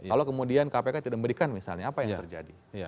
kalau kemudian kpk tidak memberikan misalnya apa yang terjadi